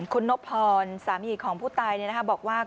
คุณนพรสามีของผู้ตายบอกว่า